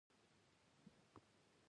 مشورې هیڅوک هم نه غواړي پوه شوې!.